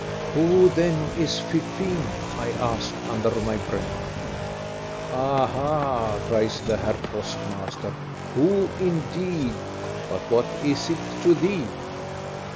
"Who, then, is Fifine?" I ask, under my breath. "Aha!" cries the Herr postmaster, "who, indeed? but what is it to thee?